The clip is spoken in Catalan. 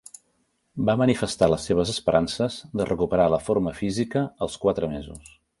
Va manifestar les seves esperances de recuperar la forma física als quatre mesos.